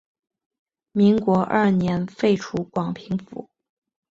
民国二年废除广平府。